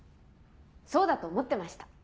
そうだと思ってました。